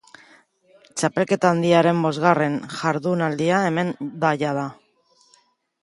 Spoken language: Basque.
Txapelketa handiaren bosgarren jardunaldia hemen da jada.